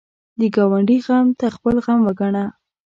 د ګاونډي غم ته خپل غم وګڼه